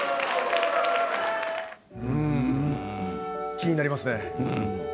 気になりますね。